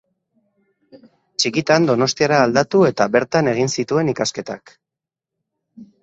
Txikitan Donostiara aldatu eta bertan egin zituen ikasketak.